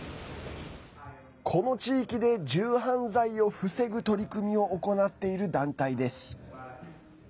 この地域で銃犯罪を防ぐ取り組みを行っている団体です。